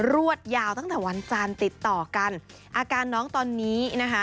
รวดยาวตั้งแต่วันจันทร์ติดต่อกันอาการน้องตอนนี้นะคะ